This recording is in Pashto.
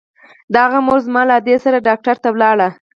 د هغه مور زما له ادې سره ډاکتر ته ولاړه.